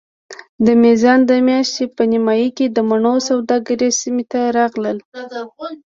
د میزان د میاشتې په نیمایي کې د مڼو سوداګر سیمې ته راغلل.